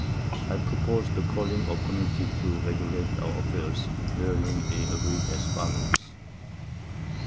I propos'd the calling of a Committee to regulate our Affairs, wherein we agreed as follows.